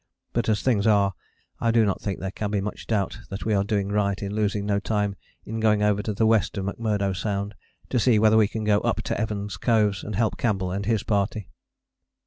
But as things are I do not think there can be much doubt that we are doing right in losing no time in going over to the west of McMurdo Sound to see whether we can go up to Evans Coves, and help Campbell and his party.